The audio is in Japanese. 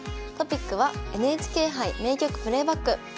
トピックは「ＮＨＫ杯名局プレーバック」。